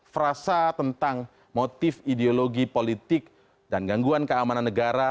frasa tentang motif ideologi politik dan gangguan keamanan negara